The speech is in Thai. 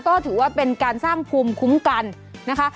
ก็ถือว่าเป็นการสร้างภูมิคุ้มกันนะคะ